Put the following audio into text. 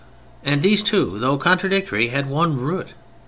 And these two, though contradictory, had one root.